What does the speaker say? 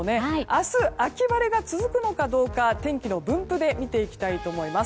明日、秋晴れが続くのかどうか天気の分布で見ていきたいと思います。